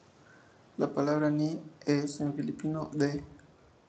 La palabra "ni" es en filipino: "de".